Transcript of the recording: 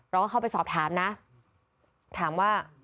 เราก็เข้าไปสอบถามนะถามว่า